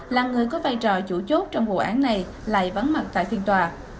là người có vai trò chủ chốt trong vụ án này lại vắng mặt tại phiên tòa